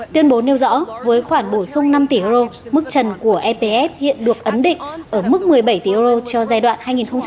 tuyên bố nêu rõ với khoản bổ sung năm tỷ euro mức trần của epf hiện được ấm định ở mức một mươi bảy tỷ euro cho giai đoạn hai nghìn một mươi sáu hai nghìn hai mươi